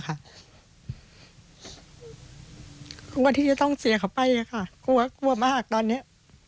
กลัวที่จะต้องเสียเขาไปกลัวกลัวมากตอนนี้